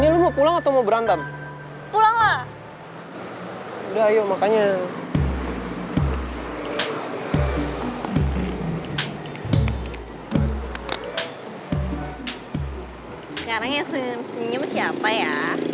sekarang yang senyum senyum siapa ya